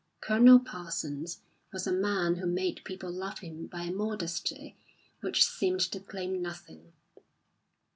Colonel Parsons was a man who made people love him by a modesty which seemed to claim nothing.